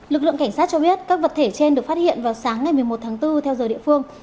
lực lượng cảnh sát cho biết các vật thể trên được phát hiện vào sáng ngày một mươi một tháng bốn theo giờ địa phương